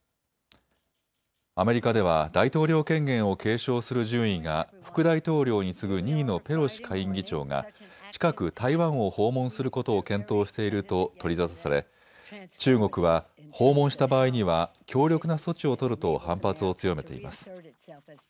アメリカでは大統領権限を継承する順位が副大統領に次ぐ２位のペロシ下院議長が近く台湾を訪問することを検討していると取り沙汰され中国は訪問した場合には強力な措置を取ると反発を強めています。